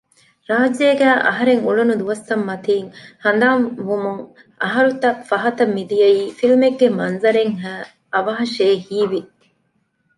ރާއްޖޭގައި އަހަރެން އުޅުނު ދުވަސްތައް މަތީން ހަނދާން ވުމުން އަހަރުތައް ފަހަތަށް މިދިޔައީ ފިލްމެއްގެ މަންޒަރެއްހައި އަވަހަށޭ ހީވި